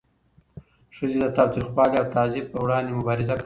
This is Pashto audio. ښځې د تاوتریخوالي او تعذیب پر وړاندې مبارزه کوي.